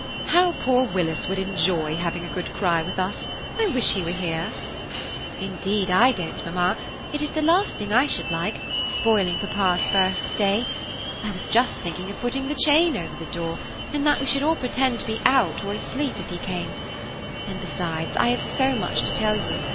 How poor Willis would enjoy having a good cry with us–I wish he were here." "Indeed, I don't mamma, it is the last thing I should like–spoiling papa's first day. I was just thinking of putting the chain over the door, and that we should all pretend to be out or asleep if he came. And, besides, we have so much to tell you.